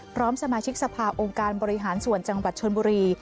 พร้อมสมาชิกสภาองค์การบริหารส่วนจังหวัดชนบุรี